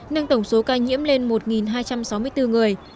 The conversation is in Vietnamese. nâng tổng số ca nhiễm lên một hai trăm sáu mươi bốn người